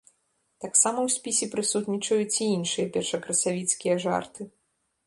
Таксама ў спісе прысутнічаюць і іншыя першакрасавіцкія жарты.